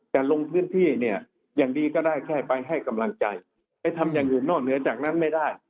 แต่ลงพื้นที่เนี่ยอย่างดีก็ได้แค่ไปให้กำลังใจไปทำอย่างอื่นนอกเหนือจากนั้นไม่ได้